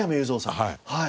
はい。